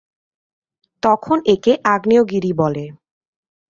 তখন একে "আগ্নেয়গিরি" বলে।